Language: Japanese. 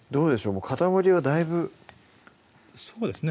もう塊はだいぶそうですね